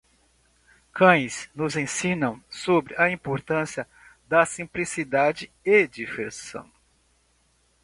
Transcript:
Cães nos ensinam sobre a importância da simplicidade e diversão.